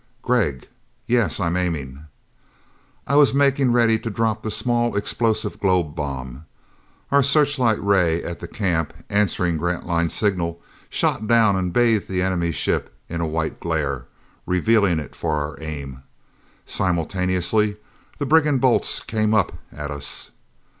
"Gregg?" "Yes. I'm aiming." I was making ready to drop the small explosive globe bomb. Our search light ray at the camp, answering Grantline's signal, shot down and bathed the enemy ship in a white glare, revealing it for our aim. Simultaneously the brigand bolts came up at us.